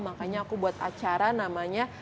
makanya aku buat acara namanya